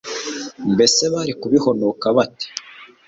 mbese bari kubihonoka bate